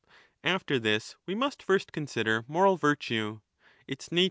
After this we must first consider moral virtue, its nature, 32 36 =^.